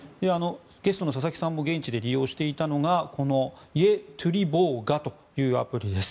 ゲストの佐々木さんも現地で利用していたのがイェ・トゥリボーガというアプリです。